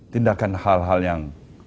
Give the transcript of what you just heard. tindakan hal hal yang